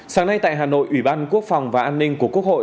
sáng nay tại hà nội ủy ban quốc phòng và an ninh của quốc hội